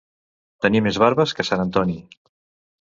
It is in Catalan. Tenir més barbes que sant Antoni.